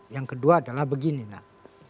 yang kedua adalah begini nak